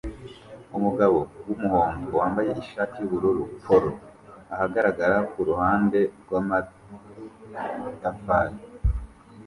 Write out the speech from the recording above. Umugabo wumuhondo wambaye ishati yubururu polo ahagarara kuruhande rwamatafari